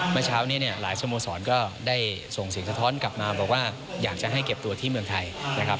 พายไม่เหลือเดินไปกลายงานอยู่ในพรรดาจังครับ